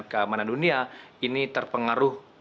keamanan dunia ini terpengaruh